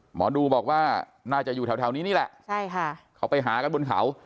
หมอดูบอกว่าน่าจะอยู่แถวนี้นี่แหละใช่ค่ะเขาไปหากันบนเขา